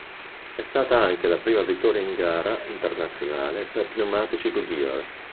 È stata anche la prima vittoria in gara internazionale per pneumatici Goodyear.